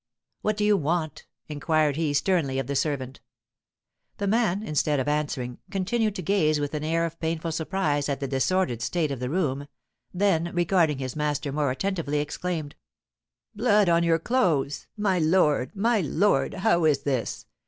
"What do you want?" inquired he, sternly, of the servant. The man, instead of answering, continued to gaze with an air of painful surprise at the disordered state of the room; then, regarding his master more attentively, exclaimed: "Blood on your clothes! My lord, my lord! How is this?